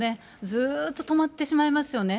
ずっと止まってしまいますよね。